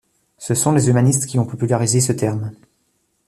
Ce sont les humanistes qui ont popularisé ce terme.